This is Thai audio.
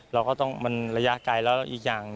เราก็ต้องมันระยะไกลแล้วอีกอย่าง